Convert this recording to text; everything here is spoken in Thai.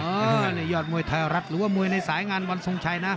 อันนี้ยอดมวยไทยรัฐหรือว่ามวยในสายงานวันทรงชัยนะ